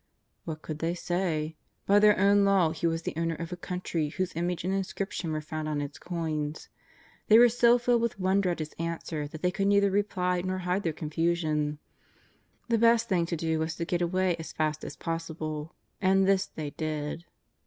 What could they say ? By their own law he was the owner of a country whose image and inscription were found on its coins. They were so filled with wonder at His answer, that they could neither reply nor hide their confusion. The best thing to do was to get away as fast as possible. And this they did.